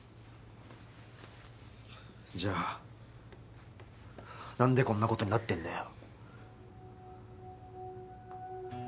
じゃあなんでこんな事になってんだよ？